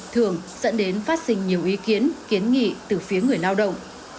thường dẫn đến phát sinh nhiều ý kiến kiến nghị từ phía người lao động